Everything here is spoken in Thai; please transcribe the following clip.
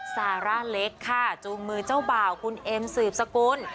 ซาร่าเล็กค่ะจูงมือเจ้าบ่าวคุณเอ็มสืบสกุล